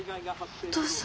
お父さん！